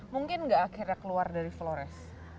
mungkin gak akhirnya keluar dari flores